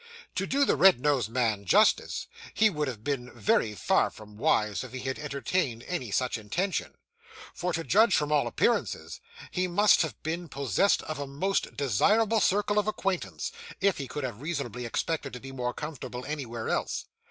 To do the red nosed man justice, he would have been very far from wise if he had entertained any such intention; for, to judge from all appearances, he must have been possessed of a most desirable circle of acquaintance, if he could have reasonably expected to be more comfortable anywhere else.